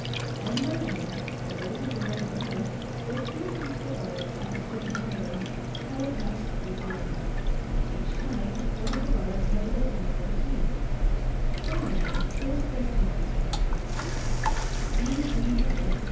One by one, the boys and girls went up, spoke briefly to the guards and the student monitor, and were passed through the door, Each time, one of the guards had to open it with a key. Finally, it was Prestonby's turn.